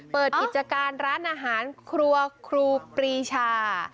เปิดกิจการร้านอาหารครัวครูปรีชา